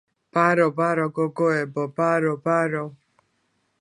ბარო ბარო გოგოებო ბარო ბარო